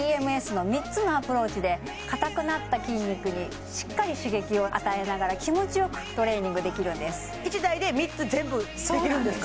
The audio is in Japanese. の３つのアプローチで硬くなった筋肉にしっかり刺激を与えながら気持ちよくトレーニングできるんですそうなんです